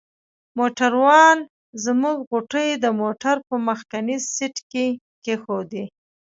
موټروان زموږ غوټې د موټر په مخکني سیټ کې کښېښودې.